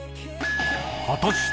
［果たして］